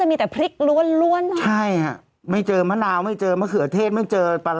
เหตุกิจเพราะว่าอย่างนี้อ่ะถ้าเอาจริงจริงอย่าอย่าไปเล่นหรือว่าอย่าไปทำอย่างนั้นดีกว่า